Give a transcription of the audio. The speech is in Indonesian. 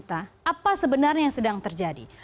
apa yang sebenarnya sedang terjadi